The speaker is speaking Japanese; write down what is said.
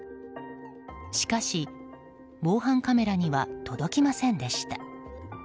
しかし、防犯カメラには届きませんでした。